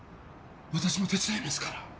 私も手伝いますから。